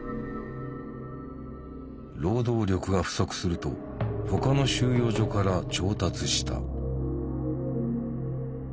労働力が不足すると他の収容所から調達した。